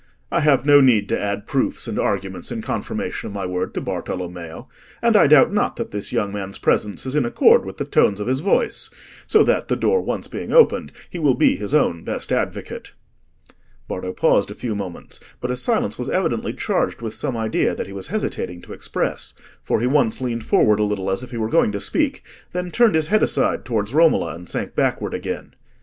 "I have no need to add proofs and arguments in confirmation of my word to Bartolommeo. And I doubt not that this young man's presence is in accord with the tones of his voice, so that, the door being once opened, he will be his own best advocate." Bardo paused a few moments, but his silence was evidently charged with some idea that he was hesitating to express, for he once leaned forward a little as if he were going to speak, then turned his head aside towards Romola and sank backward again.